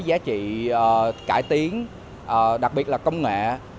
giá trị cải tiến đặc biệt là công nghệ